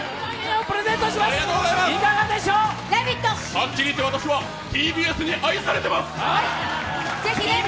はっきり言って私はＴＢＳに愛されてます！